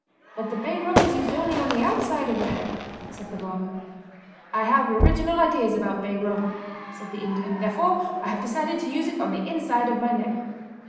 "But the bay rum is used only on the outside of the head," said the barber. "I have original ideas about bay rum," said the Indian, "therefore I have decided to use it on the inside of my neck!"